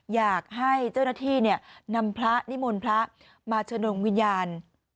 อยากให้เจ้าหน้าที่นำพระนิมนต์พระมาเชิญดวงวิญญาณ